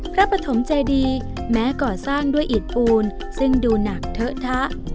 ปฐมเจดีแม้ก่อสร้างด้วยอิดปูนซึ่งดูหนักเทอะทะ